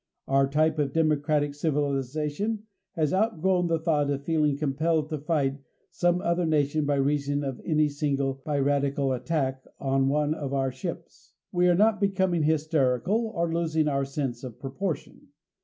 Our type of democratic civilization has outgrown the thought of feeling compelled to fight some other nation by reason of any single piratical attack on one of our ships. We are not becoming hysterical or losing our sense of proportion.